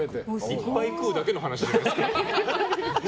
いっぱい食うだけの話じゃないですか。